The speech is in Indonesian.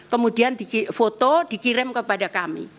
kemudian di foto dikirim kepada kami